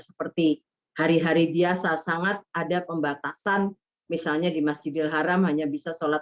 seperti hari hari biasa sangat ada pembatasan misalnya di masjidil haram hanya bisa sholat